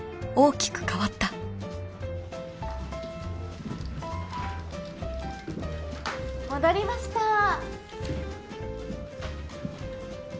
［大きく変わった］戻りました。